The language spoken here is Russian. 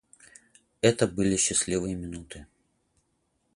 Это были счастливые минуты.